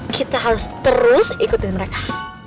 kita harus terus ikutin mereka